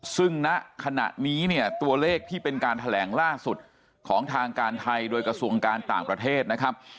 ซึ่งณขณะนี้เนี่ยตัวเลขที่เป็นการแถลงล่าสุดของทางการไทยโดยกระทรวงการต่างประเทศนะครับ